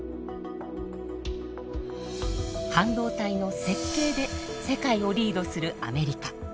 半導体の設計で世界をリードするアメリカ。